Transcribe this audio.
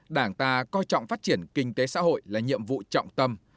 đảng ta coi trọng phát triển kinh tế xã hội là nhiệm vụ trọng tâm